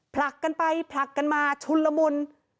ผลักกันไปผลักกันมาชุนละมุน